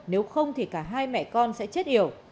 nếu không thì cả hai mẹ con sẽ chết hiểu